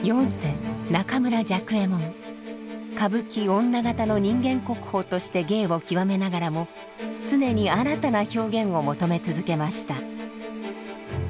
歌舞伎女方の人間国宝として芸を極めながらも常に新たな表現を求め続けました。